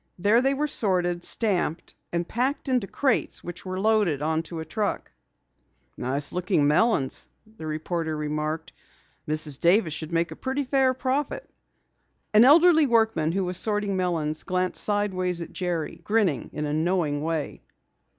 There they were sorted, stamped, and packed into crates which were loaded into a truck. "Nice looking melons," the reporter remarked. "Mrs. Davis should make a pretty fair profit." An elderly workman, who was sorting melons, glanced sideways at Jerry, grinning in a knowing way.